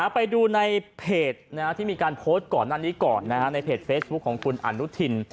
ไปดูในเพจที่มีการโพสต์ของคุณอนุทิน